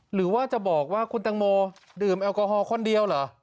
หรือว่าจะบอกว่าคุณตังโมดื่มแอลกอฮอลคนเดียวเหรอ